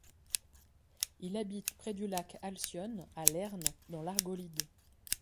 Il habite près du lac Alcyone à Lerne dans l'Argolide.